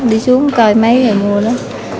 đi xuống coi máy rồi mua đó